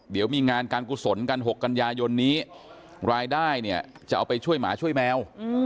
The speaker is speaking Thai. เดี๋ยวมีงานการกุศลกัน๖กันยายนนี้รายได้เนี่ยจะเอาไปช่วยหมาช่วยแมว